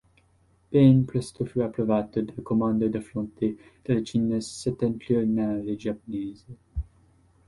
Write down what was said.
Ben presto fu approvato dal Comando del Fronte della Cina settentrionale giapponese.